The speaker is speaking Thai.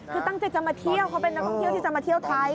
คือตั้งใจจะมาเที่ยวเขาเป็นนักท่องเที่ยวที่จะมาเที่ยวไทย